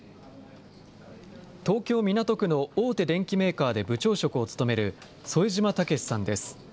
東京・港区の大手電機メーカーで部長職を務める、副島健さんです。